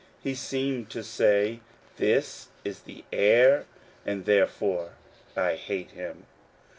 He seemed to say, "This is the heir, and therefore I hate him."